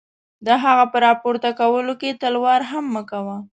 د هغه په را پورته کولو کې تلوار هم مه کوه.